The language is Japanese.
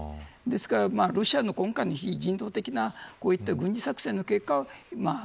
ですからロシアの今回の非人道的なこういった軍事作戦の結果